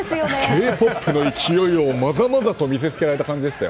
Ｋ‐ＰＯＰの勢いをまざまざと見せつけられた感じでした。